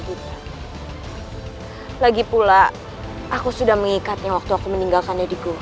kita lagi pula aku sudah mengikatnya waktu aku meninggalkannya di gua baiklah